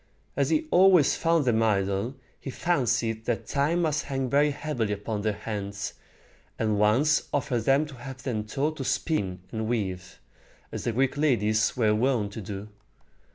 As he always found them idle, he fancied that time must hang very heavily upon their hands, and once offered to have them taught to spin and weave, as the Greek ladies were wont to do.